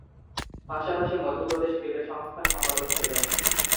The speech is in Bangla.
পাশাপাশি, মধ্যপ্রদেশ ক্রিকেট সংস্থার সম্পাদক ছিলেন।